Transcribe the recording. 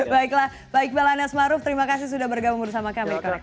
baiklah pak iqbal anas maruf terima kasih sudah bergabung bersama kami di konektif